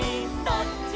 「どっち」